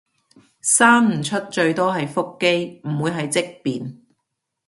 生唔出最多係腹肌，點會係積便